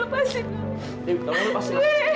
dewi tolong lepasin aku